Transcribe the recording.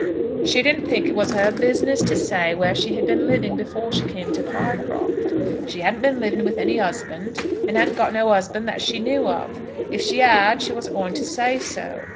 "She didn't think it was her business to say where she had been living before she came to Pycroft. She hadn't been living with any husband, and had got no husband that she knew of. If she had she wasn't going to say so.